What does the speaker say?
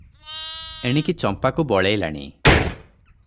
ଏଣିକି ଚମ୍ପାକୁ ବଳେଇଲାଣି ।